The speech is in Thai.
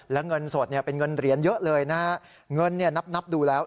และเงินสดเนี่ยเป็นเงินเหรียญเยอะเลยนะฮะเงินเนี่ยนับนับดูแล้ว